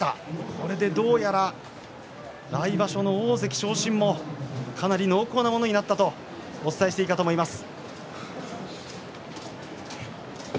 これで、どうやら来場所の大関昇進もかなり濃厚なものになったとお伝えしていいかと思います。